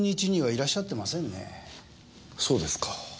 そうですか。